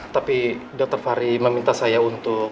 tapi dr fahri meminta saya untuk